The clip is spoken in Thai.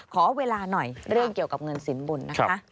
ขอเวลาหน่อยเรื่องเกี่ยวกับเงินสินบุญนะคะ